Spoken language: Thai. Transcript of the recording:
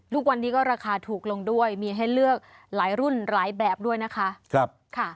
ทุกวันนี้ก็ราคาถูกลงด้วยมีให้เลือกหลายรุ่นหลายแบบด้วยนะคะ